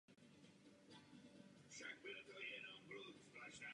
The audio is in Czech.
Hlavní povinností všech evropských institucí je sledovat dodržování těchto práv.